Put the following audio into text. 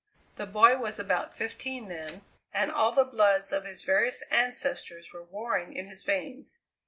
The boy was about fifteen then, and all the bloods of his various ancestors were warring in his veins.